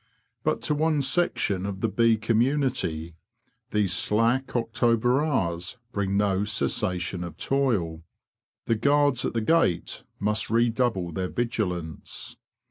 But to one section of the bee community, these slack October hours bring no cessation of toil. The guards at the gate must redouble their vigilance.